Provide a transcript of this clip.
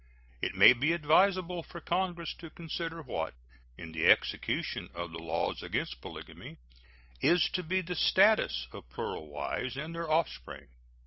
It may be advisable for Congress to consider what, in the execution of the laws against polygamy, is to be the status of plural wives and their offspring.